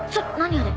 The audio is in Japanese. あれ。